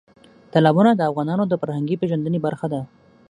تالابونه د افغانانو د فرهنګي پیژندنې برخه ده.